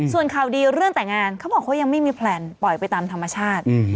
ส่วนข่าวดีเรื่องแต่งงานเขาบอกเขายังไม่มีแพลนปล่อยไปตามธรรมชาติ